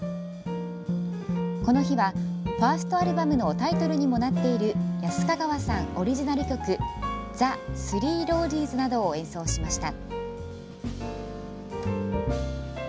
この日は、ファーストアルバムのタイトルにもなっている安ヵ川さんオリジナル曲「ＴｈｅＴｈｒｅｅＲｏｓｅｓ」などを演奏しました。